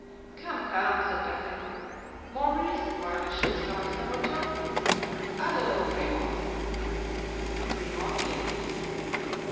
"Come, come," said D'Artagnan, "more reason why we should start on our journey. Halloo, Grimaud!" Grimaud appeared.